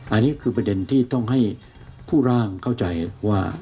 อันนี้คือประเด็นที่ต้องให้ผู้ร่างเข้าใจว่า